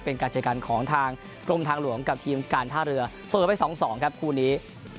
เป็นการจัดการของทางกรมทางหลวงกับทีมการท่าเรือส่วนไปสองสองครับคู่นี้